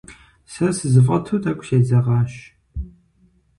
Сэ сызэфӏэту тӏэкӏу седзэкъащ.